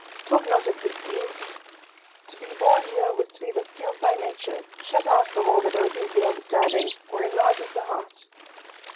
Talk not of Bastilles! To be born here was to be bastilled by nature shut out from all that opens the understanding, or enlarges the heart.